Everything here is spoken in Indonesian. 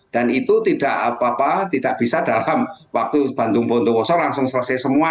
dan itu tidak bisa dalam waktu bantung pontowoso langsung selesai semua